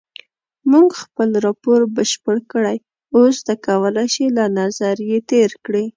مونږ خپل راپور بشپړ کړی اوس ته کولای شې له نظر یې تېر کړې.